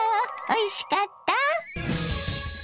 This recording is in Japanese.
おいしかった？